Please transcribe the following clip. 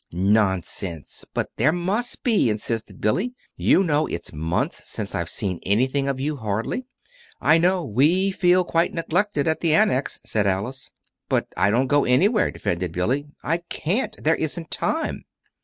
"Nonsense! But there must be," insisted Billy. "You know it's months since I've seen anything of you, hardly." "I know. We feel quite neglected at the Annex," said Alice. "But I don't go anywhere," defended Billy. "I can't. There isn't time."